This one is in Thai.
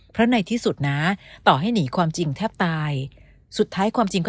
เพราะในที่สุดนะต่อให้หนีความจริงแทบตายสุดท้ายความจริงก็